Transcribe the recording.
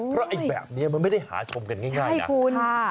เพราะไอ้แบบนี้มันไม่ได้หาชมกันง่ายนะคุณ